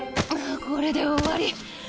これで終わり。